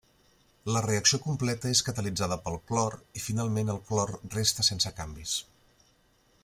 La reacció completa és catalitzada pel clor i finalment el clor resta sense canvis.